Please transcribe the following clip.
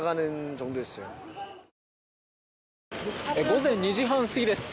午前２時半過ぎです。